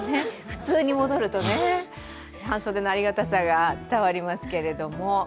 普通に戻るとね、半袖のありがたさが伝わりますけれども。